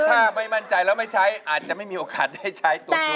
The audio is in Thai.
ถ้าไม่มั่นใจแล้วไม่ใช้อาจจะไม่มีโอกาสได้ใช้ตัวช่วย